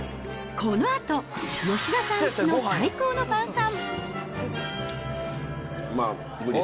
このあと、吉田さんちの最高の晩さん。